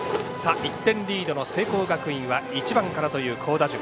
１点リードの聖光学院は１番からという好打順。